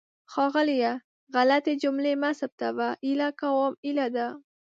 ښاغلیه! غلطې جملې مه ثبتوه. هیله کوم هیله ده.